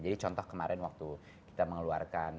contoh kemarin waktu kita mengeluarkan